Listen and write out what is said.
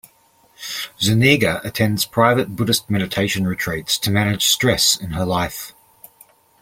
Zuniga attends private Buddhist meditation retreats to manage stress in her life.